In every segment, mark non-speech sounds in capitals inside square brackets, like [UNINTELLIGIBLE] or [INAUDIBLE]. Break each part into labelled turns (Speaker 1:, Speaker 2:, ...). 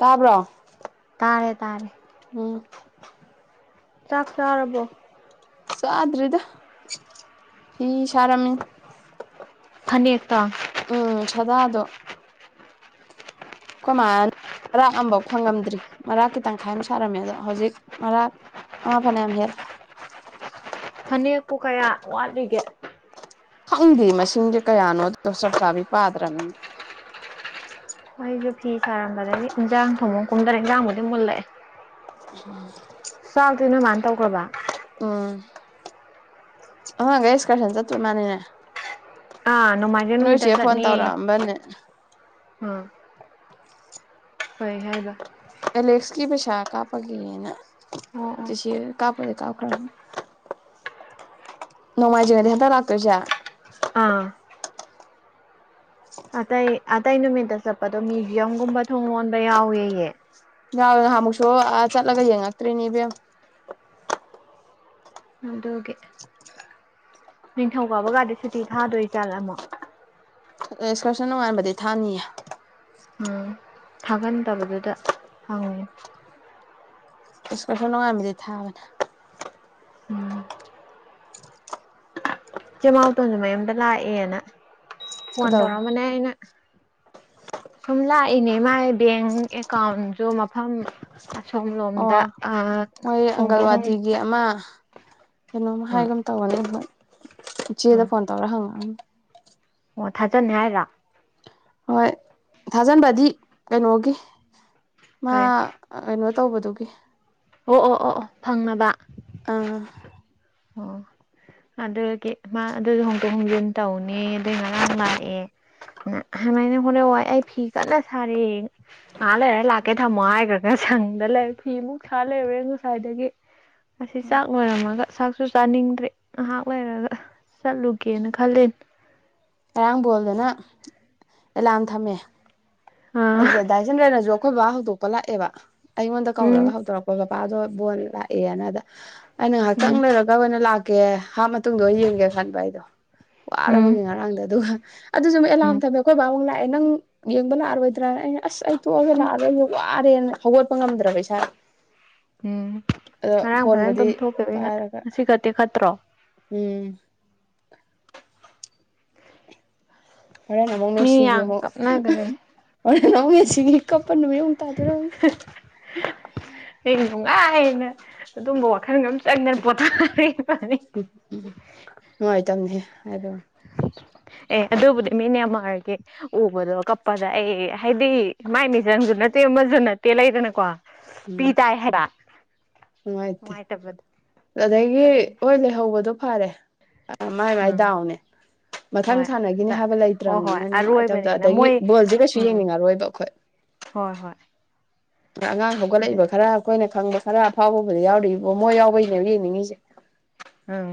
Speaker 1: ꯇꯥꯕ꯭ꯔꯣ
Speaker 2: ꯇꯥꯔꯦ ꯇꯥꯔꯦ
Speaker 1: ꯎꯝ
Speaker 2: ꯆꯥꯛ ꯆꯥꯔꯕꯣ
Speaker 1: ꯆꯗ꯭ꯔꯤꯗꯥ ꯐꯤ ꯁꯥꯔꯝꯃꯤꯅꯤ
Speaker 2: ꯐꯅꯦꯛꯛꯇ
Speaker 1: ꯁꯥꯗꯥꯗꯣ ꯑꯩꯈꯣꯏ ꯃꯥ ꯃꯔꯥꯛ ꯑꯐꯧ ꯐꯪꯉꯝꯗ꯭ꯔꯤ ꯃꯔꯥꯛ ꯈꯤ ꯇꯪꯈꯥꯏ ꯑꯃ ꯁꯥꯔꯝꯃꯦ ꯑꯗꯣ ꯍꯧꯖꯤꯛ ꯃꯔꯥꯛ ꯑꯥ ꯐꯅꯝ ꯍꯦ‌
Speaker 2: ꯐꯅꯦꯛꯄꯨ ꯀꯌꯥ ꯋꯥꯠꯂꯤꯒꯦ
Speaker 1: ꯈꯪꯗꯦ ꯃꯁꯤꯡꯁꯦ ꯀꯌꯥꯅꯣ ꯑꯗꯨꯗ ꯆꯥꯛ ꯆꯥꯕꯤ ꯄꯥꯗ꯭ꯔꯅꯤ
Speaker 2: ꯅꯣꯏꯁꯨ ꯐꯤ ꯁꯥꯔꯝꯕꯗꯒꯤ ꯏꯟꯖꯥꯡ ꯊꯣꯡꯉꯣꯅ ꯀꯨꯝꯗꯅ ꯏꯟꯖꯥꯡꯕꯨꯗꯤ ꯃꯨꯜꯂꯛꯑꯦ ꯆꯛꯇꯤ ꯅꯣꯏ ꯃꯥꯅ ꯇꯧꯈ꯭ꯔꯕꯥ
Speaker 1: ꯑꯉꯥꯡꯒꯩ ꯁꯀꯔꯁꯟ ꯆꯠꯇꯣꯏ ꯃꯥꯅꯤꯅꯦ
Speaker 2: ꯅꯣꯡꯃꯥꯏꯖ
Speaker 1: ꯅꯣꯏꯆꯦ
Speaker 2: ꯅꯨꯃꯤꯠꯇ
Speaker 1: ꯐꯣꯟ
Speaker 2: ꯆꯠꯅꯤꯌꯦ
Speaker 1: ꯇꯧꯔꯛꯑꯝꯕꯅꯦ
Speaker 2: ꯑ ꯀꯩ ꯍꯥꯏꯕ
Speaker 1: ꯑꯦꯂꯦꯛꯁꯀꯤ ꯄꯩꯁꯥ ꯀꯞꯞꯒꯤꯅꯦꯅ
Speaker 2: ꯑꯣ ꯑꯣ
Speaker 1: ꯆꯤꯆꯦ ꯀꯞ ꯑꯩꯈꯣꯏ ꯀꯥꯞꯈ꯭ꯔꯃꯦ ꯅꯣꯡꯃꯥꯏꯖꯤꯡ ꯍꯥꯢꯗꯤ ꯍꯟꯗꯛ ꯂꯛꯇꯣꯏꯁꯦ
Speaker 2: ꯑꯥ ꯑꯇꯩ ꯑꯇꯩ ꯅꯨꯃꯤꯠꯇ ꯆꯠꯄꯗꯣ ꯃ꯭ꯌꯨꯖꯤꯌꯝꯒꯨꯝꯕ ꯊꯣꯡ ꯂꯣꯟꯕ ꯌꯥꯎꯋꯦꯌꯦ
Speaker 1: ꯌꯥꯎꯋꯦ ꯅꯍ ꯑꯃꯨꯛꯁꯨ ꯆꯠꯂꯒ ꯌꯦꯡꯉꯛꯇ꯭ꯔꯤꯅꯦ ꯏꯕꯦꯝ
Speaker 2: ꯑꯗꯨꯒꯦ ꯅꯤꯡꯊꯧꯀꯥꯕ ꯀꯗꯤ ꯁꯨꯇꯤ ꯊꯥꯗꯣꯏ ꯖꯠꯂꫭ ꯑꯃꯣꯛ
Speaker 1: ꯑꯦꯛꯁꯀꯔꯁꯟ ꯅꯨꯡꯉꯥꯟꯕꯗꯤꯩ ꯊꯥꯅꯤꯌꯦ
Speaker 2: ꯎꯝ ꯊꯥꯒꯟꯗꯕꯗꯨꯗ ꯍꯪꯉꯤ
Speaker 1: ꯏꯁꯀꯁꯨ ꯅꯨꯡꯉꯃꯤꯗꯤꯩ ꯊꯥꯕꯅ
Speaker 2: ꯎꯝ ꯆꯦꯃꯥꯎꯇꯣꯟꯁꯨ ꯃꯌꯨꯝꯗ ꯂꯥꯛꯑꯦꯅ ꯐꯣꯟ
Speaker 1: ꯀꯩꯗꯧꯕ
Speaker 2: ꯇꯧꯔꯛꯑꯝꯕꯅꯦ ꯑꯩꯅ ꯁꯨꯝ ꯂꯥꯛꯏꯅꯦ ꯃꯥꯏ ꯕꯦꯡ ꯑꯦꯀꯥꯎꯟꯁꯨ ꯃꯐꯝ ꯑꯁꯣꯝ
Speaker 1: ꯑꯣ
Speaker 2: ꯂꯣꯝꯗ ꯑ
Speaker 1: ꯃꯣꯏ
Speaker 2: ꯍꯣꯡꯗꯣꯛ ꯍꯣꯡꯅꯤꯡ
Speaker 1: ꯑꯪꯒꯜꯋꯥꯗꯤꯒꯤ ꯑꯃ ꯀꯩꯅꯣꯝ ꯍꯥꯏꯒꯨꯝ ꯇꯧꯒꯅꯦ ꯍꯣꯏ
Speaker 2: ꯑ
Speaker 1: ꯆꯦꯗ ꯐꯣꯟ ꯇꯧꯔꯦ ꯍꯪꯉ
Speaker 2: ꯑꯣ ꯊꯥꯖꯅꯤ ꯍꯥꯏꯔ
Speaker 1: ꯍꯣꯏ ꯊꯥꯖꯟꯕꯗꯤ ꯀꯩꯅꯣꯒꯤ ꯃꯥ
Speaker 2: ꯀꯔꯤ
Speaker 1: ꯀꯩꯅꯣ ꯇꯧꯕꯗꯨꯒꯤ
Speaker 2: ꯑꯣ ꯑꯣ ꯑꯣ ꯑꯣ ꯐꯪꯅꯕ
Speaker 1: ꯑꯥ
Speaker 2: ꯑꯣ ꯑꯗꯨꯒꯤ ꯃꯥ ꯑꯗꯨꯁꯨ ꯍꯣꯡꯗꯣꯛ ꯍꯣꯡꯖꯤꯟ ꯇꯧꯅꯤ ꯑꯗꯨꯏ ꯉꯔꯥꯡ ꯂꯥꯛꯑꯦ ꯁꯃꯥꯏꯅ ꯍꯣꯂꯦ ꯋꯥꯏ ꯑꯩ ꯐꯤ ꯀꯟꯅ ꯁꯥꯔꯤ ꯉ ꯂꯩꯔ ꯂꯥꯛꯀꯦ ꯊꯝꯃꯣ ꯍꯥꯏꯈ꯭ꯔꯒ ꯁꯪꯗ ꯂꯩꯔꯦ ꯐꯤ ꯃꯨꯛ ꯁꯥ ꯂꯩꯔꯨꯔꯦ ꯉꯁꯥꯏꯗꯒꯤ ꯑꯁꯤ ꯆꯥꯛ ꯂꯣꯏꯔꯝꯃꯒ ꯆꯥꯛ ꯁꯨ ꯆꯥꯅꯤꯡꯗ꯭ꯔꯦ ꯉꯥꯏꯍꯥꯛ ꯂꯩꯔꯒ ꯆꯠꯂꯨꯒꯦꯅ ꯈꯂꯦ
Speaker 1: ꯉꯔꯥꯡꯕꯣꯜꯗꯅ ꯑꯦꯂꯥꯝ ꯊꯝꯃꯦ
Speaker 2: ꯑꯥ
Speaker 1: ꯑꯩꯁꯦ ꯗꯥꯏꯆꯟꯗ꯭ꯔꯅ ꯌꯣꯛ ꯑꯩꯈꯣꯏ ꯕꯥ ꯍꯧꯗꯣꯛꯄ ꯂꯥꯛꯑꯦꯕ ꯑꯩꯉꯣꯟꯗ
Speaker 2: ꯎꯝ
Speaker 1: ꯀꯧꯔꯒ ꯍꯧꯗꯣꯔꯛꯄ ꯕꯕꯥꯗꯣ ꯕꯣꯣꯟ ꯂꯥꯛꯑꯦꯅꯗ ꯑꯩꯅ ꯉꯥꯏꯍꯥꯛꯇꯪ
Speaker 2: ꯎꯝ
Speaker 1: ꯂꯩꯣꯏꯔꯒ ꯑꯣꯏꯅ ꯂꯥꯛꯀꯦ ꯍꯥꯞ ꯃꯇꯨꯡꯗ ꯑꯣꯏꯅ ꯌꯦꯡꯒꯦ ꯈꯟꯕ ꯑꯩꯗꯣ
Speaker 2: ꯎꯝ
Speaker 1: ꯋꯥꯔꯕꯒꯦ ꯉꯔꯥꯡꯗ ꯑꯗꯨꯒ ꯑꯗꯨꯁꯨ ꯑꯃꯨ ꯑꯦꯂꯥꯔꯝ
Speaker 2: ꯎꯝ
Speaker 1: ꯊꯝꯃꯦ ꯑꯩꯈꯣꯏ ꯕꯥ ꯑꯃꯨꯛ ꯂꯥꯛꯑꯦ ꯅꯪ ꯌꯦꯡꯕ ꯂꯥꯛꯑꯔꯣꯏ ꯅꯠꯇ꯭ꯔ ꯑꯩꯅ ꯑꯁ ꯑꯩ ꯇꯣꯛꯑꯒ ꯂꯥꯛꯑꯔꯦ ꯑꯩ ꯋꯥꯔꯦꯅ ꯍꯧꯒꯠꯄ ꯉꯝꯗ꯭ꯔꯕ ꯏꯁꯥ
Speaker 2: ꯎꯝ ꯉꯔꯥꯡ ꯐꯖꯅ
Speaker 1: ꯐꯣꯟꯕꯨꯗꯤ
Speaker 2: ꯇꯣꯝꯊꯣꯛꯀꯦꯕ
Speaker 1: ꯄꯥꯏꯔꯒ
Speaker 2: ꯉꯁꯤ ꯈꯛꯇꯤ ꯈꯠꯇ꯭ꯔꯣ
Speaker 1: ꯎꯝ ꯍꯔꯅꯃꯣ
Speaker 2: ꯃꯤ ꯌꯥꯝ
Speaker 1: ꯃꯁꯤꯒꯦꯃꯣ
Speaker 2: ꯀꯞꯅꯈ꯭ꯔꯦ
Speaker 1: ꯅ ꯁꯤ ꯀꯄꯃꯦ ꯇꯥꯗꯨꯔ
Speaker 2: ꯑꯩ ꯅꯨꯡꯉꯥꯏꯅ ꯑꯗꯨꯝꯕ ꯋꯥꯠ
Speaker 1: ꯎꯝ ꯎꯝ ꯅꯨꯡꯉꯥꯏꯇꯝꯅꯦꯍꯦ [UNINTELLIGIBLE]
Speaker 2: ꯑꯦ ꯑꯗꯨꯕꯨꯗꯤ ꯃꯤ ꯅꯦꯃꯥꯔꯒꯤ ꯎꯕꯗꯣ ꯀꯞꯄꯗ ꯑꯩ ꯍꯥꯏꯗꯤ ꯃꯥꯏ ꯃꯤꯆꯪꯖꯨ ꯅꯠꯇꯦ ꯃꯁꯨ ꯅꯠꯇꯦ ꯂꯩꯗꯅꯀꯣ ꯄꯤ
Speaker 1: ꯎꯝ
Speaker 2: ꯇꯥꯏ ꯍꯥꯏꯕ
Speaker 1: ꯅꯨꯡꯉꯥꯏꯇꯦ
Speaker 2: ꯅꯨꯡꯉꯥꯏꯇꯕꯗꯣ
Speaker 1: ꯑꯗꯒꯤ
Speaker 2: ꯀꯔꯤ
Speaker 1: ꯍꯣꯏ ꯂꯩꯍꯧꯕꯗꯣ ꯐꯔꯦ ꯑ ꯃꯥꯏ ꯃꯥꯏ
Speaker 2: ꯎꯝ
Speaker 1: ꯗꯥꯎꯅꯦ ꯃꯊꯪ
Speaker 2: ꯍꯣꯏ
Speaker 1: ꯁꯥꯟꯅꯒꯤꯅꯤ
Speaker 2: ꯑꯗ
Speaker 1: ꯍꯥꯏꯕ
Speaker 2: ꯍꯣꯏ ꯍꯣꯏ
Speaker 1: ꯂꯩꯇ꯭ꯔꯝꯅꯤꯅ ꯅꯨꯡꯉꯥꯏꯇꯕꯗ
Speaker 2: ꯑꯔꯣꯏꯕꯅꯤꯅ
Speaker 1: ꯑꯗꯒꯤ
Speaker 2: ꯃꯣꯏ
Speaker 1: ꯕꯣꯜꯁꯦ ꯀꯩꯁꯨ
Speaker 2: ꯎꯝ
Speaker 1: ꯌꯦꯡꯅꯤꯡꯉꯔꯣꯏꯕ ꯑꯩꯈꯣꯏ
Speaker 2: ꯍꯣꯏ ꯍꯣꯏ
Speaker 1: ꯑ ꯑꯉꯥꯡ
Speaker 2: ꯑꯗ
Speaker 1: ꯍꯧꯒꯠꯂꯛꯏꯕ ꯈꯔ ꯑꯩꯈꯣꯏꯅ ꯈꯪꯕ ꯈꯔ ꯑꯐꯥꯎꯕꯕꯨꯗ ꯌꯥꯎꯔꯤꯕꯣ ꯃꯣꯏ ꯌꯥꯎꯕꯩꯅꯦꯕ ꯌꯦꯡꯅꯤꯡꯉꯤꯁꯦ
Speaker 2: ꯎꯝ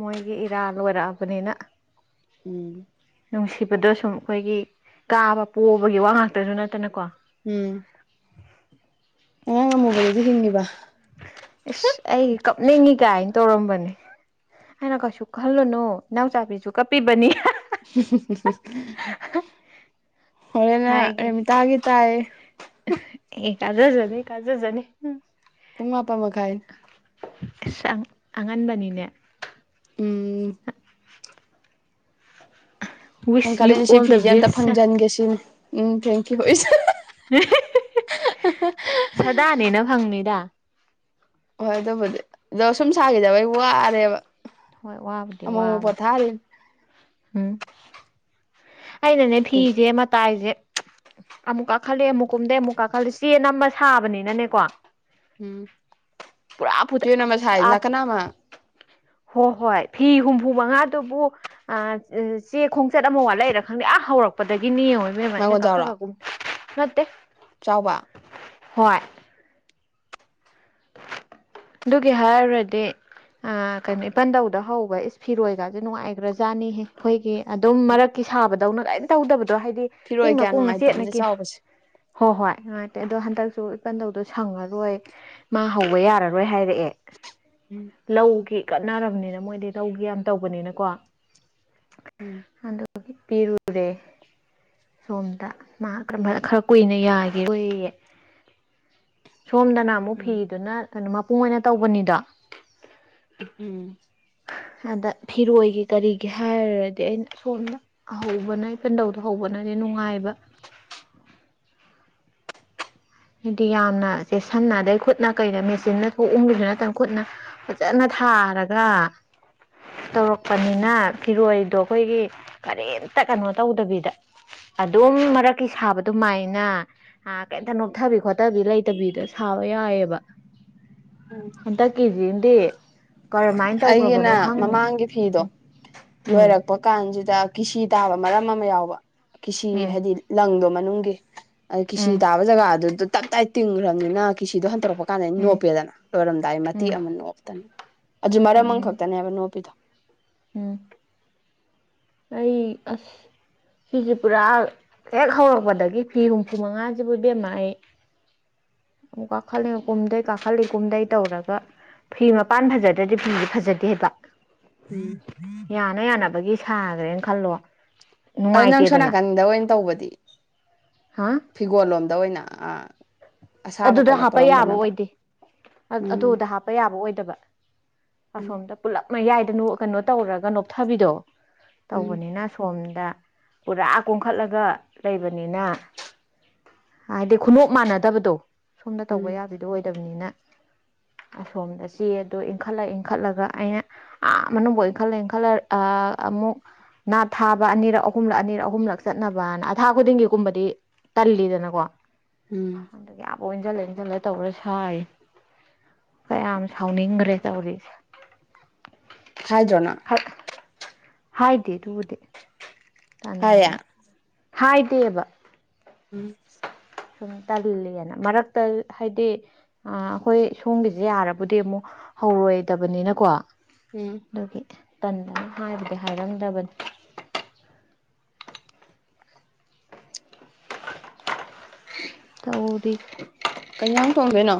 Speaker 2: ꯃꯣꯏꯒꯤ ꯏꯔꯥꯜ ꯂꯣꯏꯔꯛꯑꯕꯅꯤꯅ
Speaker 1: ꯎꯝ
Speaker 2: ꯅꯨꯡꯁꯤꯕꯗꯣ ꯁꯨꯝ ꯑꯩꯈꯣꯏꯒꯤ ꯀꯥꯕ ꯄꯣꯕꯒꯤ ꯋꯥ ꯉꯥꯛꯇꯁꯨ ꯅꯠꯇꯅꯀꯣ
Speaker 1: ꯎꯝ ꯑꯉꯥꯡ ꯑꯃꯃꯨꯕꯗꯨꯗꯤ ꯍꯤꯡꯉꯤꯕ
Speaker 2: ꯏꯁ ꯑꯩ ꯀꯞꯅꯤꯡꯉꯤ ꯀꯥꯏꯅ ꯇꯧꯔꯝꯕꯅꯦ ꯑꯩꯅ ꯀꯩꯁꯨ ꯈꯜꯂꯨꯅꯨ ꯅꯅꯥꯎꯆꯥꯕꯤꯁꯨ ꯀꯞꯄꯤꯕꯅꯤ [UNINTELLIGIBLE]
Speaker 1: ꯍꯣꯔꯦꯅ
Speaker 2: ꯍꯥꯏꯒꯤ
Speaker 1: ꯔꯃꯤꯇꯥꯒꯤ ꯇꯥꯏꯌ‌ꯦ
Speaker 2: ꯑꯦ ꯀꯥꯖꯖꯅꯤ ꯀꯥꯖꯖꯅꯤ
Speaker 1: ꯄꯨꯡ ꯃꯥꯄꯟ ꯃꯈꯥꯏ
Speaker 2: ꯏꯁ ꯑꯝ ꯑꯉꯟꯕꯅꯤꯅꯦ
Speaker 1: ꯎꯝ
Speaker 2: [INAUDIBLE]
Speaker 1: ꯅꯪ
Speaker 2: ꯋꯤꯁ ꯌꯨ
Speaker 1: ꯈꯜꯂꯤꯁꯤ
Speaker 2: ꯑꯣꯜ ꯗ
Speaker 1: ꯐꯤꯁꯦ ꯑꯝꯇ
Speaker 2: ꯕꯦꯁ
Speaker 1: ꯐꯪꯖꯟꯒꯦ ꯁꯤꯅꯦ ꯎꯝ ꯊꯦꯡꯀꯤ꯭ꯌꯨ ꯏꯁ
Speaker 2: ꯁꯥꯗꯥꯅꯦꯅ ꯐꯪꯅꯤꯗ
Speaker 1: ꯍꯣꯏ ꯑꯗꯨꯕꯨꯗꯤ ꯑꯗꯣ ꯁꯨꯝ ꯁꯥꯈꯤꯗꯕꯩ ꯋꯥꯔꯦꯕ
Speaker 2: ꯍꯣꯏ ꯋꯥꯕꯨꯗꯤ
Speaker 1: ꯑꯃꯨꯛ ꯑꯃꯨꯛ
Speaker 2: ꯋꯥꯕꯅꯤ
Speaker 1: ꯄꯣꯊꯥꯔꯤꯅꯤ
Speaker 2: ꯎꯝ ꯑꯩꯅꯅꯦ ꯐꯤꯁꯦ ꯃꯇꯥꯏꯖ‌ꯦ [UNINTELLIGIBLE] ꯑꯃꯨꯛ ꯀꯥꯈꯠꯂ‌ꯦ ꯑꯃꯨꯛ ꯀꯨꯝꯗꯩ ꯑꯃꯨꯛ ꯀꯥꯈꯠꯂ‌ꯦ ꯆꯦ ꯅꯝꯃ ꯁꯥꯕꯅꯤꯅꯅꯦꯀꯣ
Speaker 1: ꯎꯝ
Speaker 2: ꯄꯨꯔꯥ ꯄꯨꯗ
Speaker 1: ꯇꯨꯌꯦꯜ ꯑꯃ ꯁꯥꯏ
Speaker 2: ꯑꯥꯞ
Speaker 1: ꯅꯥꯀꯟ ꯑꯃ
Speaker 2: ꯍꯣꯏ ꯍꯣꯏ ꯐꯤ ꯍꯨꯝꯐꯨ ꯃꯉꯥꯗꯨꯕꯨꯑꯥ ꯑꯦ ꯆꯦ ꯈꯣꯡꯆꯠ ꯑꯃ ꯋꯥꯠꯂꯛꯏꯔꯥ ꯈꯪꯗꯦ ꯑꯥ ꯍꯧꯔꯛꯄꯗꯒꯤ ꯀꯅꯤ ꯌ‌ꯦꯡꯉ‌ꯣ ꯏꯕ‌ꯦꯝꯃꯥ
Speaker 1: ꯃꯥꯡꯒꯣꯟ
Speaker 2: ꯑꯩꯅ ꯀꯥꯈꯠ
Speaker 1: ꯆꯥꯎꯔꯣ
Speaker 2: ꯀꯥ ꯀꯨꯝ ꯅꯠꯇꯦ
Speaker 1: ꯆꯥꯎꯕ
Speaker 2: ꯍꯣꯏ
Speaker 1: [INAUDIBLE]
Speaker 2: ꯑꯗꯨꯒꯤ ꯍꯥꯏꯔꯨꯔꯗꯤ ꯑ ꯀꯩꯅꯣ ꯏꯄꯟꯗꯧꯗ ꯍꯧꯕ ꯏꯁ ꯐꯤꯔꯣꯏꯒꯁꯦ ꯅꯨꯡꯉꯥꯏꯈ꯭ꯔꯖꯥꯠꯅꯤꯍꯦ ꯑꯩꯈꯣꯏꯒꯤ ꯑꯗꯨꯝ
Speaker 1: ꯎꯝ
Speaker 2: ꯃꯔꯛꯀꯤ ꯁꯥꯕꯗꯧꯅ ꯂ‌ꯣꯏꯅ ꯇꯧꯗꯕꯗꯣ ꯍꯥꯏꯗꯤ ꯑ
Speaker 1: ꯐꯤꯔꯣꯏ
Speaker 2: ꯀꯨꯡꯅ
Speaker 1: ꯀꯌꯥ
Speaker 2: ꯀꯨꯡꯅ
Speaker 1: ꯅꯨꯡꯉꯥꯏꯇꯕꯅꯦ
Speaker 2: ꯆꯦꯠꯅꯀꯤ
Speaker 1: ꯆꯥꯎꯕꯁꯦ
Speaker 2: ꯍꯣꯏ ꯍꯣꯏ ꯅꯨꯡꯉꯥꯏꯇ‌ꯦ ꯑꯗꯣ ꯍꯟꯗꯛꯁꯨ ꯏꯄꯟꯗꯧꯗꯣ ꯁꯪꯉꯔꯣꯏ ꯃꯥ ꯍꯧꯕ ꯌꯥꯔꯔꯣꯏ ꯍꯥꯏꯔꯛꯑꯦ
Speaker 1: ꯎꯝ
Speaker 2: ꯂꯧꯒꯤ ꯀꯠꯅꯔꯝꯅꯤꯅ ꯃꯣꯏꯗꯤ ꯂꯧꯒꯤ ꯌꯥꯝ ꯇꯧꯕꯅꯤꯅꯀꯣ
Speaker 1: ꯎꯝ
Speaker 2: ꯑꯝ ꯄꯤꯔꯨꯔꯦ ꯁꯣꯝꯗ ꯃꯥ ꯈ ꯈꯔ ꯀꯨꯏꯅ ꯌꯥꯒꯤꯔ‌ꯣꯏꯌ‌ꯦ ꯁꯣꯝꯗꯅ ꯑꯃꯨꯛ
Speaker 1: ꯎꯝ
Speaker 2: ꯐꯤꯗꯨꯅ ꯀꯩꯅꯣ ꯃꯄꯨꯡ ꯑꯣꯏꯅ ꯇꯧꯕꯅꯤꯗꯣ
Speaker 1: ꯎꯝ
Speaker 2: ꯑꯗ ꯐꯤꯔꯣꯏꯒꯤ ꯀꯔꯤꯒꯤ ꯍꯥꯏꯔꯨꯔꯗꯤ ꯑꯩꯅ ꯁꯣꯝꯗ ꯍꯧꯕꯅ ꯢꯄꯥꯟꯗꯧꯗꯣ ꯍꯧꯕꯅꯗꯤ ꯅꯨꯡꯉꯥꯏꯕ ꯍꯥꯏꯗꯤ ꯌꯥꯝꯅ ꯁꯦꯁꯤꯟꯅꯗꯩ ꯈꯨꯠꯅ ꯀꯩꯗ ꯃꯦꯆꯤꯟꯅ ꯊꯣꯛꯎꯒꯤꯗꯨ ꯅꯠꯇꯅ ꯈꯨꯠꯅ ꯐꯖꯅ ꯊꯥꯔꯒ
Speaker 1: [UNINTELLIGIBLE] ꯎꯝ
Speaker 2: ꯇꯧꯔꯛꯄꯅꯤꯅ ꯐꯤꯔꯣꯏꯗꯣ ꯑꯩꯈꯣꯏꯒꯤ ꯀꯔꯤꯝꯇ ꯀꯩꯅꯣ ꯇꯧꯗꯕꯤꯗ ꯑꯗꯨꯝ ꯃꯔꯛꯀꯤ ꯁꯥꯕ ꯑꯗꯨꯃꯥꯏꯅ ꯀꯩꯝꯇꯅꯣ ꯆꯠꯊꯕꯤ ꯈꯣꯠꯇꯕꯤ ꯂꯩꯇꯕꯤꯗ ꯁꯥꯕ ꯌꯥꯏꯕ ꯍꯟꯗꯛꯒꯤ ꯖꯤꯃꯗꯤ
Speaker 1: ꯑꯩꯒꯤꯅ ꯃꯃꯥꯡꯒꯤ ꯐꯤꯗꯣ
Speaker 2: ꯎꯝ
Speaker 1: ꯂꯣꯏꯔꯛꯄ ꯀꯥꯟꯁꯤꯗ ꯀꯤꯁꯤ ꯇꯥꯕ ꯃꯔꯝ ꯑꯃ ꯌꯥꯎꯕ ꯀꯤꯁꯤ
Speaker 2: ꯎꯝ
Speaker 1: ꯍꯥꯏꯗꯤ ꯂꯪꯗꯣ ꯃꯅꯨꯡꯒꯤ ꯑ ꯀꯤꯁꯤ
Speaker 2: ꯎꯝ
Speaker 1: ꯇꯥꯕ ꯖꯒꯥꯗꯨ ꯇꯞ ꯇꯥꯏ ꯇꯤꯡꯈ꯭ꯔꯝꯅꯤꯅ ꯀꯤꯁꯤꯗꯣ ꯍꯟꯇꯣꯔꯛꯄ ꯀꯥꯟꯗ
Speaker 2: ꯎꯝ
Speaker 1: ꯅꯣꯞꯄꯦꯗꯅ ꯂꯣꯏꯔꯝꯗꯥꯏ
Speaker 2: ꯎꯝ
Speaker 1: ꯃꯇꯦꯛ ꯑꯃ ꯅ‌ꯣꯞꯇꯅ ꯑꯗꯨ
Speaker 2: ꯎꯝ
Speaker 1: ꯃꯔꯝ
Speaker 2: ꯎꯝ
Speaker 1: ꯑꯝꯈꯛꯇꯅꯦꯕ ꯅꯣꯞꯄꯤꯗꯣ
Speaker 2: ꯎꯝ ꯑꯩ ꯑꯁ ꯐꯤꯁ‌ꯦ ꯄꯨꯔꯥ ꯍꯦꯛ ꯍꯧꯔꯛꯄꯗꯒꯤ ꯐꯤ ꯍꯨꯝꯐꯨ ꯃꯉꯥꯁꯤꯕꯨ ꯏꯕꯦꯝꯃꯥ ꯑꯩ ꯃꯨꯛ ꯀꯥꯈꯠꯂꯤ ꯑꯝ ꯀꯨꯝꯗꯩ ꯀꯥꯈꯠꯂꯤ ꯀꯨꯝꯗꯩ ꯇꯧꯔꯒ ꯐꯤ ꯃꯄꯥꯟ ꯐꯖꯗ꯭ꯔꯗꯤ ꯐꯤꯁ‌ꯦ ꯐꯖꯗꯦ ꯍꯥꯏꯕ
Speaker 1: [UNINTELLIGIBLE]
Speaker 2: ꯕꯒꯤ ꯁꯥꯈ꯭ꯔꯦꯅ ꯈꯜꯂꯣ
Speaker 1: ꯑꯗꯨ ꯅꯪ ꯁꯣꯝ
Speaker 2: ꯅꯨꯡꯉꯥꯏꯇꯦꯗꯅ
Speaker 1: ꯅꯥꯀꯟꯗ ꯑꯣꯏꯅ ꯇꯧꯕꯗꯤ
Speaker 2: ꯍꯥ
Speaker 1: ꯐꯤꯒꯣꯜ ꯂꯣꯝꯗ ꯑꯣꯏꯅ ꯑ
Speaker 2: ꯑꯗꯨꯗ ꯍꯥꯞꯄ ꯌꯥꯕ ꯑꯣꯏꯗꯦ
Speaker 1: ꯎꯝ
Speaker 2: ꯑꯗꯨꯗ ꯍꯥꯞꯄ ꯌꯥꯕ ꯑꯣꯏꯗꯕ
Speaker 1: ꯎꯝ
Speaker 2: ꯑꯁꯣꯝꯗ ꯄꯨꯜꯂꯞ ꯃꯌꯥꯏ ꯀꯩꯅꯣ ꯀꯩꯅꯣ ꯇꯧꯔꯒ ꯅꯣꯊꯕꯤꯗꯣ
Speaker 1: ꯎꯝ
Speaker 2: ꯇꯧꯕꯅꯤꯅ ꯁꯣꯝꯗ ꯄꯨꯔꯥ ꯀꯨꯝꯈꯠꯂꯒ ꯂꯩꯕꯅꯤꯅ ꯍꯥꯏꯗꯤ ꯈꯨꯅꯣꯞ ꯃꯥꯟꯅꯗꯕꯗꯣ ꯁꯣꯝꯗ ꯇꯧꯕ
Speaker 1: ꯎꯝ
Speaker 2: ꯌꯥꯕꯤꯗꯣ ꯑꯣꯏꯗꯕꯅꯤꯅ ꯑꯁꯣꯝꯗ ꯆꯦꯗꯣ ꯏꯟꯈꯠꯂ ꯏꯟꯈꯠꯂꯒ ꯑꯩꯅ ꯑꯥ ꯃꯅꯨꯡꯗ ꯈꯜꯂꯦ ꯈꯜꯂꯦ ꯑꯃꯨꯛ ꯅꯥ ꯊꯥ ꯑꯅꯤꯔꯛ ꯑꯍꯨꯝꯂꯛ ꯑꯅꯤꯔꯛ ꯑꯍꯨꯝꯂꯛ ꯆꯠꯅꯕꯅ ꯑꯊꯥ ꯈꯨꯗꯤꯡꯒꯤꯒꯨꯝꯕꯗꯤ ꯇꯜꯂꯤꯗꯅꯀꯣ
Speaker 1: ꯎꯝ
Speaker 2: ꯏꯟꯁꯤꯜꯂ ꯏꯟꯁꯤꯜꯂ ꯇꯧꯔ ꯁꯥꯏꯔꯤ ꯀꯌꯥꯝ ꯁꯥꯎꯅꯤꯡꯈ꯭ꯔꯦ ꯇꯧꯔꯤꯁꯦ
Speaker 1: ꯍꯥꯏꯗ꯭ꯔꯣ ꯅꯪ
Speaker 2: ꯍꯥꯏꯗꯦ ꯑꯗꯨꯕꯨꯗꯤ
Speaker 1: ꯍꯥꯏꯌꯦ
Speaker 2: ꯇꯥꯅꯤꯡꯗꯅ ꯍꯥꯏꯗꯦꯕ
Speaker 1: ꯎꯝ
Speaker 2: ꯁꯨꯝ ꯇꯜꯂꯤꯗꯅ ꯃꯔꯛꯇ ꯍꯥꯏꯗꯤ ꯑꯩꯈꯣꯏ ꯁꯣꯝꯒꯤꯁꯦ ꯌꯥꯔꯕꯗꯤ ꯑꯃꯨꯛ ꯍꯧꯔꯣꯏꯗꯕꯅꯤꯅꯀꯣ
Speaker 1: ꯎꯝ
Speaker 2: ꯑꯗꯨꯒꯤ ꯇꯟꯗꯅꯤ ꯍꯥꯏꯕꯗꯤ ꯍꯥꯏꯔꯝꯗꯕꯅꯤ ꯇꯧꯔꯤ
Speaker 1: ꯀꯩ ꯌꯦꯟꯁꯥꯡ ꯊꯣꯡꯗꯨꯏꯅꯣ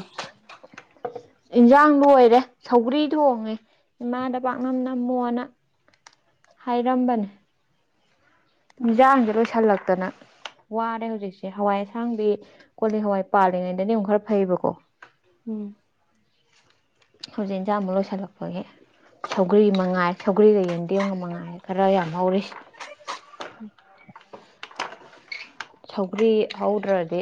Speaker 2: ꯏꯟꯁꯥꯡ ꯂꯣꯏꯔꯦ ꯁꯧꯒ꯭ꯔꯤ ꯊꯣꯡꯉꯦ ꯏꯃꯥꯗ ꯄꯥꯛꯅꯝ ꯅꯝꯃꯣꯅ ꯍꯥꯏꯔꯝꯕꯅꯦ
Speaker 1: ꯎꯝ
Speaker 2: ꯍꯦꯟꯖꯥꯡꯁꯦ ꯂꯣꯏꯁꯤꯜꯂꯛꯇꯅ ꯋꯥꯔꯦ ꯍꯧꯖꯤꯛꯁꯦ ꯍꯋꯥꯏ ꯑꯁꯥꯡꯗꯤ ꯀꯣꯂꯤ ꯍꯋꯥꯏ ꯄꯥꯜꯂꯤꯉꯩꯗꯅꯤ ꯑꯃꯨꯛ ꯈꯔ ꯐꯩꯕꯀꯣ
Speaker 1: ꯎꯝ
Speaker 2: ꯍꯧꯖꯤꯛ ꯏꯟꯖꯥꯡ ꯑꯃꯨꯛ ꯂꯣꯏꯁꯤꯜꯂꯛꯄꯒꯤ ꯁꯧꯒ꯭ꯔꯤ ꯃꯉꯥꯏ ꯁꯧꯒ꯭ꯔꯤꯒ ꯌꯦꯟꯗꯦꯝꯒ ꯃꯉꯥꯏ ꯈꯔ ꯌꯥꯝ ꯍꯧꯔꯤ
Speaker 1: ꯎ [INAUDIBLE]
Speaker 2: ꯁꯧꯒ꯭ꯔꯤ ꯍꯧꯗ꯭ꯔꯗꯤ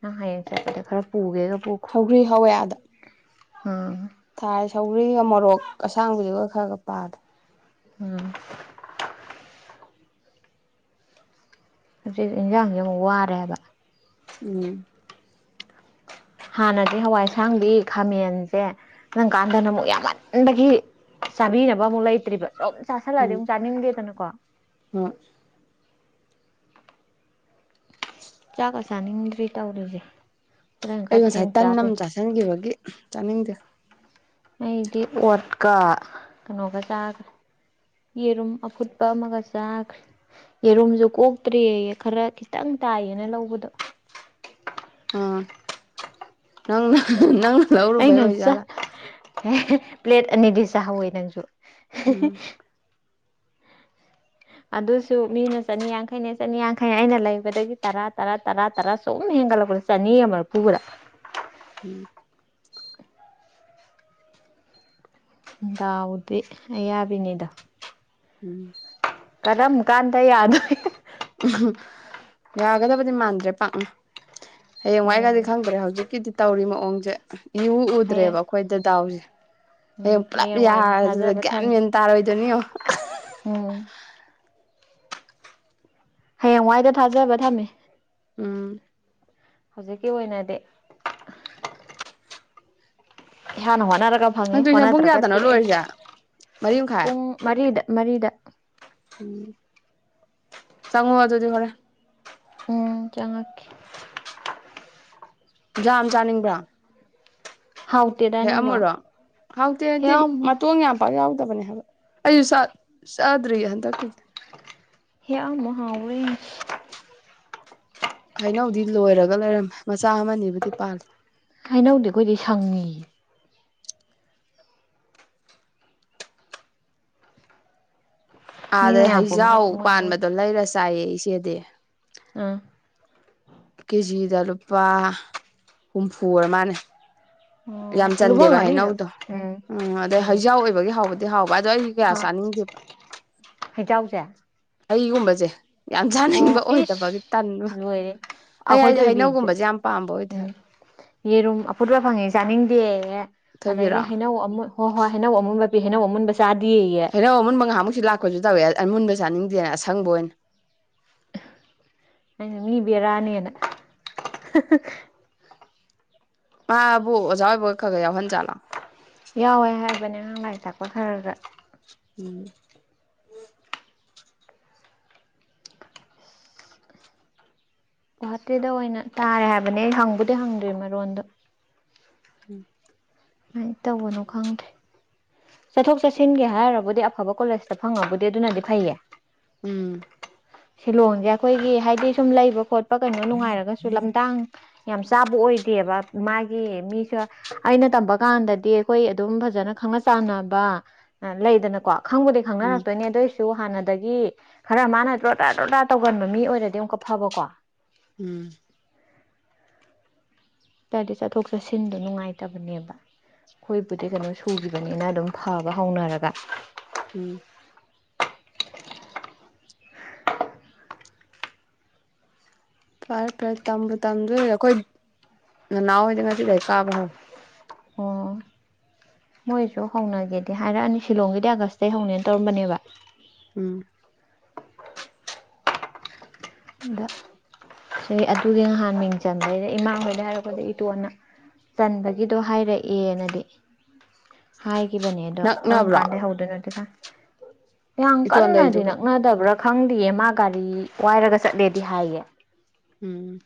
Speaker 2: ꯅꯪ ꯍꯌꯦꯡ ꯆꯠꯄꯗ ꯈꯔ ꯄꯨꯒꯦꯔ
Speaker 1: ꯍꯧꯒ꯭ꯔꯤ ꯍꯧꯋꯦꯌꯥꯗ
Speaker 2: ꯎꯝ
Speaker 1: ꯊꯥꯏ ꯁꯧꯔꯤꯒ ꯃꯣꯔꯣꯛ ꯑꯁꯥꯡꯕꯤꯗꯨꯒ ꯈꯔ ꯈ ꯄꯥꯗ꯭ꯔꯦ
Speaker 2: ꯎꯝ ꯍꯧꯖꯤꯛ ꯌꯦꯟꯁꯥꯡꯁ ꯑꯃꯨꯛ ꯋꯥꯔꯦꯕ
Speaker 1: ꯎꯝ
Speaker 2: ꯍꯥꯟꯅꯗꯤ ꯍꯋꯥꯏꯁꯥꯡꯗꯤ ꯈꯥꯃꯦꯟꯁꯦ ꯅꯪ ꯀꯥꯟꯗꯅ ꯑꯃꯨꯛ ꯌꯥꯝꯃꯟꯕꯒꯤ ꯆꯥꯕꯤꯅꯕ ꯑꯃꯨꯛ ꯂꯩꯇ꯭ꯔꯤꯕ ꯁꯣꯝ ꯆꯥꯥꯁꯜꯂꯛꯑꯗꯤ ꯑꯃꯨꯛ ꯆꯥꯅꯤꯡꯗꯦꯗꯅꯀꯣ
Speaker 1: ꯎ
Speaker 2: ꯆꯥꯛꯀ ꯆꯥꯅꯤꯡꯗ꯭ꯔꯤ ꯇꯧꯔꯤꯁꯦ ꯍꯣꯔꯦꯟ
Speaker 1: ꯑꯩ
Speaker 2: ꯈꯔ
Speaker 1: ꯉꯁꯥꯏ
Speaker 2: ꯊꯦꯡ
Speaker 1: ꯇꯟꯅ ꯑꯃꯥ
Speaker 2: ꯆꯥꯗꯣꯏꯅꯤ
Speaker 1: ꯆꯥꯁꯤꯟꯈꯤꯕꯒꯤ ꯆꯥꯅꯤꯡꯗꯦ
Speaker 2: ꯑꯩꯗꯤ ꯑꯣꯠꯀ ꯀꯩꯅꯣꯒ ꯆꯥꯈ꯭ꯔꯦ ꯌꯦꯔꯨꯝ ꯑꯐꯨꯠꯄ ꯑꯃꯒ ꯆꯥꯈ꯭ꯔꯦ ꯌꯦꯔꯨꯝꯁꯨ ꯀꯣꯛ ꯇ꯭ꯔꯦꯌꯦ ꯈꯔ ꯈꯤꯇꯪ ꯇꯥꯏꯌꯦꯅ ꯂꯧꯕꯗꯣ
Speaker 1: ꯑꯝ ꯅꯪꯅ ꯅꯩꯅ
Speaker 2: ꯑꯩꯅ ꯆ ꯍꯩ ꯄ꯭ꯂꯦꯠ ꯑꯅꯤꯗꯤ ꯆꯥꯍꯧꯋꯦ ꯅꯪꯁꯨ
Speaker 1: ꯎꯝ
Speaker 2: ꯑꯗꯨꯁꯨ ꯃꯤꯅ ꯆꯅꯤꯌꯥꯡꯈꯩꯅꯦ ꯆꯅꯤꯌꯥꯡꯈꯩꯅꯦ ꯑꯩꯅ ꯂꯩꯕꯗꯒꯤ ꯇꯔꯥ ꯇꯔꯥ ꯇꯔꯥ ꯇꯔꯥ ꯁꯨꯝ ꯁꯨꯝ ꯍꯦꯟꯒꯠꯂꯛꯄꯗ ꯆꯥꯅꯤꯒ ꯃꯥꯔꯐꯨ ꯒꯗ
Speaker 1: ꯎꯝ
Speaker 2: ꯗꯥꯎꯗꯤ ꯑ ꯌꯥꯕꯤꯅꯤꯗ
Speaker 1: ꯎꯝ
Speaker 2: ꯀꯔꯝ ꯀꯥꯟꯗ ꯌꯥꯅꯤ
Speaker 1: ꯎ ꯌꯥꯒꯗꯕꯗꯤ ꯃꯥꯟꯗ꯭ꯔꯦ ꯄꯥꯛꯅ ꯍꯌꯦꯡꯋꯥꯏꯒꯗꯤ
Speaker 2: ꯎꯝ
Speaker 1: ꯈꯪꯗ꯭ꯔꯦ ꯍꯧꯖꯤꯛꯀꯤꯗꯤ ꯇꯧꯔꯤ ꯃꯑꯣꯡꯁꯦ ꯏꯎ
Speaker 2: ꯍꯌꯦꯡ
Speaker 1: ꯎꯗ꯭ꯔꯦꯕ ꯑꯩꯈꯣꯏꯗ ꯗꯥꯎꯁꯦ
Speaker 2: ꯎꯝ
Speaker 1: ꯍꯌꯦꯡ ꯄꯨꯂꯞ ꯌꯥ
Speaker 2: ꯍꯌꯦꯡꯋꯥꯏꯗꯤ ꯊꯥꯖꯕ
Speaker 1: ꯒ꯭ꯌꯥꯟ
Speaker 2: ꯊꯝꯃꯤ
Speaker 1: ꯃꯦꯟ ꯇꯥꯔꯣꯏꯗꯣꯏꯅꯤ
Speaker 2: ꯎꯝ ꯍꯌꯦꯡꯋꯥꯏꯗ ꯊꯥꯖꯕ ꯊꯝꯃꯦ
Speaker 1: ꯎꯝ
Speaker 2: ꯍꯧꯖꯤꯛꯀꯤ ꯑꯣꯏꯅꯗꯤ ꯍꯅ ꯍꯅ ꯈ ꯐꯪꯉꯦ
Speaker 1: ꯅꯪ ꯇꯨꯏꯁꯟ ꯄꯨꯡ
Speaker 2: ꯍꯣꯠꯅꯗ꯭ꯔꯒ
Speaker 1: ꯀꯌꯥꯗꯅꯣ
Speaker 2: ꯇꯣꯛꯑꯦ
Speaker 1: ꯂꯣꯏꯔꯤꯁꯦ ꯃꯔꯤ ꯃꯈꯥꯏ
Speaker 2: ꯄꯨꯡ ꯃꯔꯤꯗ ꯃꯔꯤꯗ
Speaker 1: ꯎꯝ ꯆꯉꯣ ꯋꯥꯖꯣꯗꯦ ꯐꯔꯦ
Speaker 2: ꯎꯝ ꯆꯉꯛꯀꯦ
Speaker 1: ꯌꯥꯝꯖ ꯌꯥꯝ ꯆꯥꯅꯤꯡꯕ꯭ꯔꯥ
Speaker 2: ꯍꯥꯎꯇꯦꯗ
Speaker 1: ꯍꯦ
Speaker 2: ꯅꯪꯕꯣ
Speaker 1: ꯑꯃꯨꯔꯣ ꯍꯥꯎꯇꯤ ꯍꯥꯏꯗꯤ
Speaker 2: ꯍꯦꯛꯑꯝꯃꯣ
Speaker 1: ꯃꯇꯣꯡ ꯌꯥꯝ ꯄ ꯌꯥꯎ ꯕꯅꯦ ꯍꯥꯏꯕ ꯑꯩꯁꯨ ꯁꯥ꯭ꯔꯔꯤ ꯍꯗ ꯀꯗ꯭ꯔꯦ
Speaker 2: ꯍꯦ ꯑꯃ ꯃꯍꯥ ꯑꯣꯏꯔꯤ
Speaker 1: ꯍꯩꯅꯧꯗꯤ ꯂꯣꯏꯔꯒ ꯂꯩꯔꯝꯃꯦ ꯆꯥꯃꯅꯤꯕꯨꯗꯤ
Speaker 2: ꯍꯩꯅꯧꯗꯤ ꯑꯩꯈꯣꯏꯗꯤ
Speaker 1: ꯄꯥꯜꯂꯤ
Speaker 2: ꯁꯪꯉꯤꯌꯦ ꯃꯤ
Speaker 1: ꯑꯥꯗꯩ
Speaker 2: ꯃꯌꯥꯝ
Speaker 1: ꯍꯩꯖꯥꯎ
Speaker 2: ꯄꯨꯝꯅꯃꯛ ꯃꯨꯟꯗꯣꯏ
Speaker 1: ꯄꯥꯟꯕꯗꯣ ꯂꯩꯔ ꯆꯥꯏꯌꯦ ꯏꯆꯦꯗꯤ
Speaker 2: ꯑ
Speaker 1: ꯀꯦꯖꯤꯗ ꯂꯨꯄꯥ ꯍꯨꯝꯐ ꯃꯥꯅꯦ ꯌꯥꯝ ꯆꯟꯗꯦꯕ
Speaker 2: ꯂꯨꯝꯃꯝꯒꯅꯤ ꯑꯗꯨꯝ
Speaker 1: ꯍꯩꯅꯧꯗꯣ ꯎꯝ ꯑꯗꯩ ꯍꯩꯖꯥꯎ ꯑꯣꯏꯕꯒꯤ ꯍꯥꯎꯕꯗꯤ ꯍꯥꯎꯕ ꯑꯗꯣ ꯑꯩ ꯀꯌꯥ ꯆ ꯅꯤꯡꯗꯤ
Speaker 2: ꯍꯖꯎꯁꯦ
Speaker 1: ꯑꯩꯒꯨꯝꯕꯁꯦ ꯌꯥꯝꯖꯥꯅꯤꯡꯕ
Speaker 2: ꯏꯁ
Speaker 1: ꯑꯣꯏꯗꯕꯒꯤ ꯇꯟꯕ
Speaker 2: ꯂꯣꯏꯔꯦ
Speaker 1: ꯍ
Speaker 2: ꯑꯩꯈꯣꯏ
Speaker 1: ꯍꯥꯏꯗꯤ
Speaker 2: ꯊꯣꯏꯕꯤꯁꯨ
Speaker 1: ꯍꯩꯅꯧꯒꯨꯝꯕꯁꯦ ꯌꯥꯝ ꯄꯥꯝꯕ ꯑꯣꯏꯗꯦ
Speaker 2: ꯎꯝ
Speaker 1: ꯍꯥꯏꯕ
Speaker 2: ꯌꯦꯔꯨꯝ ꯑꯐꯨꯠꯕ ꯐꯪꯉꯤ ꯆꯥꯅꯤꯡ ꯦ ꯑꯗꯒꯤ
Speaker 1: ꯊꯣꯏꯕꯤꯔꯣ
Speaker 2: ꯍꯩꯅꯧ ꯑꯃ ꯍꯣꯏ ꯍꯣꯏ ꯍꯩꯅꯧ ꯑꯃꯨꯕ ꯄꯤ ꯍꯩꯅꯧ ꯑꯃꯨꯟꯕꯁꯤ
Speaker 1: ꯍꯩꯅꯧ ꯑꯃꯨꯟꯕ ꯉꯥꯏꯍꯥꯛꯃꯨꯛꯁꯨ ꯂꯥꯛꯄꯁꯨ ꯇꯧꯋꯦ ꯑꯔꯨꯟꯕ ꯆꯥꯅꯤꯡꯗꯦꯅ ꯑꯁꯪꯕ ꯑꯣꯏꯅ
Speaker 2: ꯑꯩꯅ ꯃꯤ ꯕꯦꯔꯥꯅꯤꯅ
Speaker 1: ꯃꯥꯕꯨ ꯑꯣꯖꯥ ꯑꯣꯏꯕꯒ ꯈ ꯈ ꯌꯥꯎꯍꯟꯖꯥꯠꯂꯣ
Speaker 2: ꯌꯥꯎꯋꯦ ꯍꯥꯏꯕꯅꯦ ꯑꯉꯥꯡ ꯂꯥꯏꯔꯤꯛ ꯇꯥꯛꯄ ꯈꯔ ꯈꯔ
Speaker 1: ꯎꯝ
Speaker 2: ꯒꯨꯍꯥꯇꯤꯗ ꯑꯣꯏꯅ ꯇꯥꯔꯦ ꯍꯥꯏꯕꯅꯦ ꯍꯪꯕꯨꯗꯤ ꯍꯪꯗ꯭ꯔꯤ ꯃꯔꯣꯟꯗꯣ
Speaker 1: ꯎꯝ
Speaker 2: ꯃꯥꯏ ꯇꯧꯕꯅꯣ ꯈꯪꯗ꯭ꯔꯦ ꯆꯠꯊꯣꯛ ꯆꯠꯁꯤꯟꯒꯤ ꯍꯥꯏꯔꯕꯨꯗꯤ ꯑꯐꯕ ꯀꯣꯂꯦꯖꯇ ꯐꯪꯉꯕꯨꯗꯤ ꯑꯗꯨꯅꯗꯤ ꯐꯩꯌꯦ
Speaker 1: ꯎꯝ
Speaker 2: ꯁꯤꯂꯣꯡꯖꯦ ꯑꯩꯈꯣꯏꯒꯤ ꯍꯥꯏꯗꯤ ꯁꯨꯝ ꯂꯩꯕ ꯈꯣꯠꯄ ꯀꯩꯅꯣ ꯅꯨꯡꯉꯥꯏꯔꯒꯁꯨ ꯂꯝꯗꯥꯡ ꯌꯥꯝ ꯆꯥꯕ ꯑꯣꯏꯗꯦꯕ ꯃꯥꯒꯤ ꯃꯤꯁꯨ ꯑꯩꯅ ꯇꯝꯕ ꯀꯥꯟꯗꯗꯤ ꯑꯩꯈꯣꯏ ꯑꯗꯨꯝ ꯐꯖꯅ ꯈꯪꯅ ꯆꯥꯟꯅꯕ ꯂꯩꯗꯅꯀꯣ ꯈꯪꯕꯨꯗꯤ
Speaker 1: ꯎꯝ
Speaker 2: ꯈꯪꯅꯔꯛꯇꯣꯏꯅꯤ ꯑꯗꯨꯏ ꯁꯨ ꯍꯥꯟꯅꯗꯒꯤ ꯈꯔ ꯃꯥꯅ ꯗ꯭ꯔꯣꯗꯥꯔ ꯗ꯭ꯔꯣꯗꯥꯔ ꯇꯧꯒꯟꯕ ꯃꯤ ꯑꯣꯏꯔꯗꯤ ꯑꯃꯨꯛꯀ ꯐꯕꯀꯣ
Speaker 1: ꯎꯝ
Speaker 2: ꯍꯥꯏꯔꯗꯤ ꯆꯠꯊꯣꯛ ꯆꯠꯁꯤꯟꯗꯣ ꯅꯨꯡꯉꯥꯏꯇꯕꯅꯦꯕ ꯑꯩꯈꯣꯏꯕꯨꯗꯤ ꯀꯩꯅꯣ ꯁꯨꯈꯤꯕꯅꯤꯅ ꯑꯗꯨꯝ ꯐꯕ ꯍꯧꯅꯔꯒ
Speaker 1: ꯎꯝ ꯐꯔꯦ ꯐꯔꯦ ꯇꯝꯕ ꯇꯝꯗꯣꯏ ꯑꯩꯈꯣꯏ ꯅꯅꯥꯎ ꯍꯣꯏꯗꯤ ꯉꯁꯤꯗꯩ ꯀꯥꯕ ꯍꯧꯏ
Speaker 2: ꯑꯣ ꯃꯣꯏꯁꯨ ꯍꯧꯅꯒꯦꯗꯤ ꯍꯥꯏꯔꯛꯑꯅꯤ ꯁꯤꯂꯣꯡꯒꯤꯗꯤ ꯑꯥꯒꯁꯇꯩꯒꯤ ꯍꯧꯅꯦ ꯇꯧꯔꯝꯕꯅꯦꯕ
Speaker 1: ꯎꯝ
Speaker 2: ꯑꯗ ꯁꯤ ꯑꯗꯨꯒꯤ ꯅꯍꯥꯟ ꯃꯤꯡ ꯆꯟꯕꯩꯗ ꯏꯃꯥꯍꯣꯏꯗ ꯍꯥꯏꯔꯛꯄꯗ ꯏꯇꯣꯟꯅ ꯆꯟꯕꯒꯤꯗꯣ ꯍꯥꯏꯔꯛꯑꯦꯅꯗꯤ ꯍꯥꯏ ꯈꯤꯕꯅꯦ ꯑꯗꯣ ꯀꯔꯝ
Speaker 1: ꯅꯛꯅꯕ꯭ꯔꯣ
Speaker 2: ꯀꯥꯟꯗ ꯍꯧꯗꯣꯏꯅꯣ [UNINTELLIGIBLE] ꯌꯥꯝ
Speaker 1: ꯏꯇꯣꯟ
Speaker 2: ꯀꯟꯅꯗꯤ
Speaker 1: ꯂꯩꯗꯨꯒ
Speaker 2: ꯅꯛꯅꯗꯕ꯭ꯔꯥ ꯈꯪꯗꯦꯌꯦ ꯃꯥ ꯒꯥꯔꯤ ꯋꯥꯏꯔꯒ ꯆꯠꯂꯦꯗꯤ ꯍꯥꯏꯌꯦ
Speaker 1: ꯎꯝ